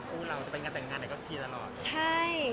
คู่เราจะไปกันแต่งงานไหนก็เชียร์ตลอด